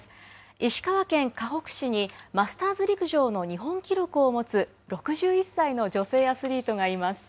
石川県かほく市にマスターズ陸上の日本記録を持つ６１歳の女性アスリートがいます。